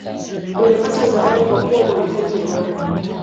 Nimepata zawadi kwa kuwa mwanafunzi bora